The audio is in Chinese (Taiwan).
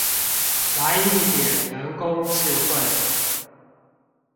來一點人工智慧